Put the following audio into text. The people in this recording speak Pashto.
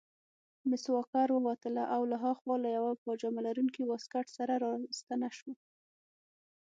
مس واکر ووتله او له هاخوا له یوه پاجامه لرونکي واسکټ سره راستنه شوه.